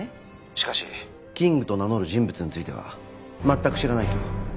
しかしキングと名乗る人物については全く知らないと。